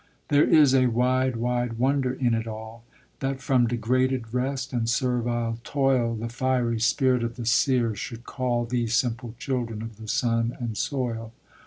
There is a wide, wide wonder in it all, That from degraded rest and servile toil The fiery spirit of the seer should call These simple children of the sun and soil.